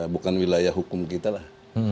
bukan wilayah hukum kita lah